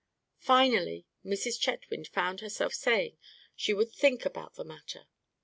Finally, Mrs. Chetwynd found herself saying she would think about the matter.